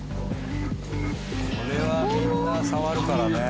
これはみんな触るからね。